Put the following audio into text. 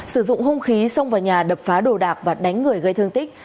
sử dụng hung khí xông vào nhà đập phá đồ đạc và đánh người gây thương tích